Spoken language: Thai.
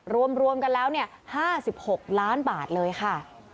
รวมกันแล้ว๕๖ล้านบาทเลยค่ะ